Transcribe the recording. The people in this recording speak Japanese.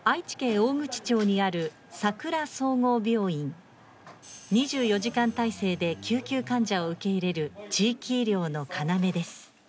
大口町にあるさくら総合病院２４時間態勢で救急患者を受け入れる地域医療の要です。